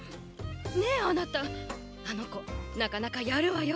ねえあなたあの子なかなかやるわよ。